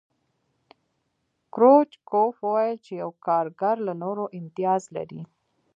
کرو چکوف وویل چې یو کارګر له نورو امتیاز لري